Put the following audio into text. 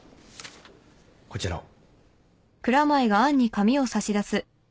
こちらを。